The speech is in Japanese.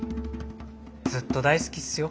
ずっと大好きっすよ。